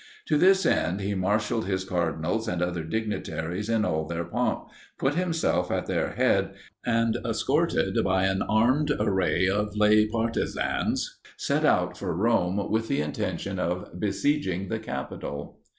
To this end he marshalled his cardinals and other dignitaries in all their pomp; put himself at their head, and, escorted by an armed array of lay partisans, set out for Rome with the intention of besieging the Capitol.